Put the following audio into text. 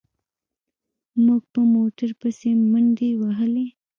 موږ په موټر پسې منډې وهلې.